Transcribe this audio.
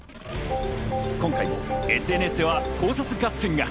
今回、ＳＮＳでは考察合戦が。